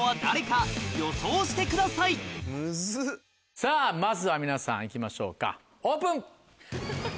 さぁまずは皆さん行きましょうかオープン。